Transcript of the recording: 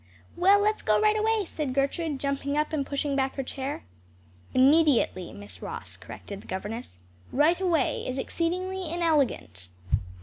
"Well, let's go right away," said Gertrude, jumping up and pushing back her chair. "Immediately, Miss Ross," corrected the governess. "Right away is exceedingly inelegant."